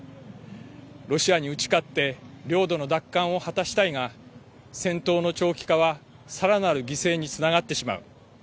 ロシアに打ち勝って領土の奪還を果たしたいが戦闘の長期化はさらなる犠牲につながってしまう。